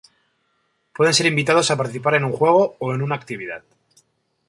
Pueden ser invitados a participar en un juego o en una actividad.